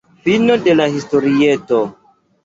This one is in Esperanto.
Fino de la historieto.